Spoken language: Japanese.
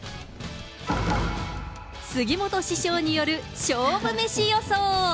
杉本師匠による勝負メシ予想。